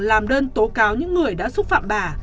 làm đơn tố cáo những người đã xúc phạm bà